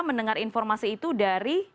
mendengar informasi itu dari